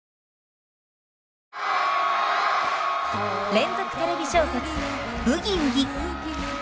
連続テレビ小説「ブギウギ」。